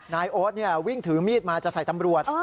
โอ๊ตวิ่งถือมีดมาจะใส่ตำรวจ